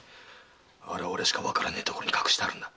あれは俺しかわからないところに隠してあるんだ。